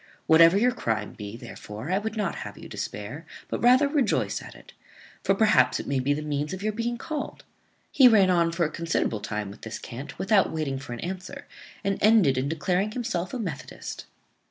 Whatever your crime be, therefore I would not have you despair, but rather rejoice at it; for perhaps it may be the means of your being called." He ran on for a considerable time with this cant, without waiting for an answer, and ended in declaring himself a methodist.